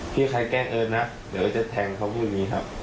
พี่ใครแกล้งเอิร์ทนะเดี๋ยวเอิร์ทจะแทงเขาอยู่นี้ครับ